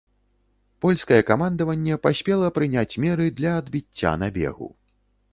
Польскае камандаванне паспела прыняць меры для адбіцця набегу.